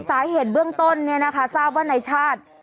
สาเหตุเบื้องต้นเนี่ยนะคะทราบว่าในชาติ